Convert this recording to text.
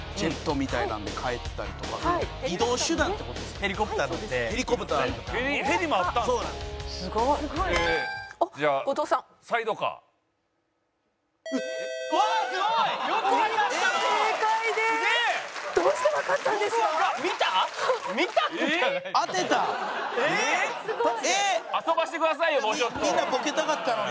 みんなボケたかったのに。